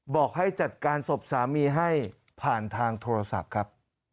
บอกให้จัดการศพสามีให้ผ่านทางโทรศัพท์ครับ